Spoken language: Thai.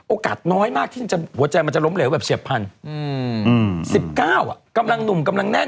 น้อยมากที่หัวใจมันจะล้มเหลวแบบเฉียบพันธุ์๑๙กำลังหนุ่มกำลังแน่น